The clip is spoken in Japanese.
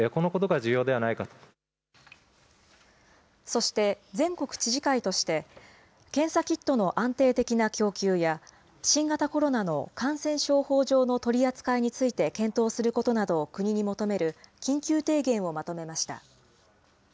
そして、全国知事会として、検査キットの安定的な供給や、新型コロナの感染症法上の取り扱いについて検討することなどを国に求める緊急提言をまとめました。